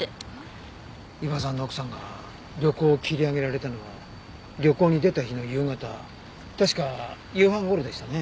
伊庭さんの奥さんが旅行を切り上げられたのは旅行に出た日の夕方確か夕飯頃でしたね。